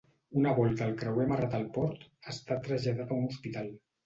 Una volta el creuer ha amarrat al port, ha estat traslladat a un hospital.